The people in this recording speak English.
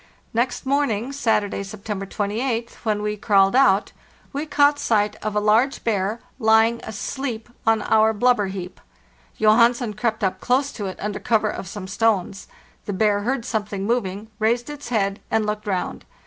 Next morning (Saturday, September 28th), when we crawled out, we caught sight of a large bear lying asleep on our blubber heap. Johansen crept up close to it under cover of some stones. The bear heard something moving, raised its head, and looked round.